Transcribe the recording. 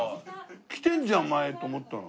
来てんじゃん前と思ったの。